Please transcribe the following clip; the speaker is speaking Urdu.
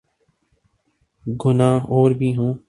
گناہ اور بھی ہوں۔